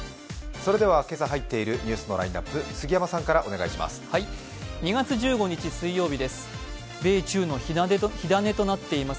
それでは、今朝入っているニュースのラインナップ、杉山さんからお願いします。